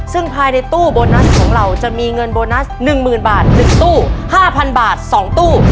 ซึ่งภายในตู้โบนัสของเราจะมีเงินโบนัส๑๐๐๐บาท๑ตู้๕๐๐บาท๒ตู้